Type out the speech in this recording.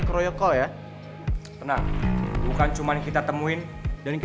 kita harus ledekin dulu